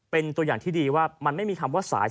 เป็นตัวอย่างที่ดีว่ามันไม่มีคำว่าสาย